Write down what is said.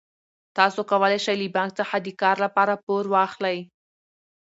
تاسو کولای شئ له بانک څخه د کار لپاره پور واخلئ.